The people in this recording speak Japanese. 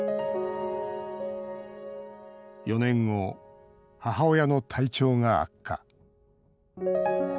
４年後、母親の体調が悪化。